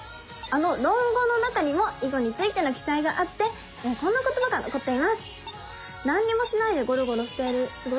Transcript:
あの「論語」の中にも囲碁についての記載があってこんな言葉が残っています。